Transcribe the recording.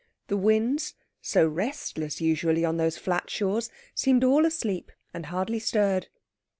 The winds, so restless usually on those flat shores, seemed all asleep, and hardly stirred.